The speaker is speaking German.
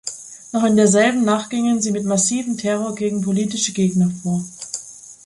Noch in derselben Nacht gingen sie mit massivem Terror gegen politische Gegner vor.